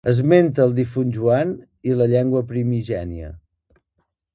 Esmenta el difunt Joan i la llengua primigènia.